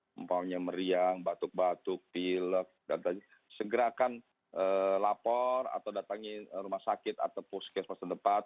seperti meriang batuk batuk pilek dan lain segera akan lapor atau datang ke rumah sakit atau puskesmas terdekat